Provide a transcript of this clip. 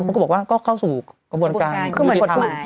มันก็บอกว่าก็เข้าสู่กระบวนการที่มีทวิตธรรมาย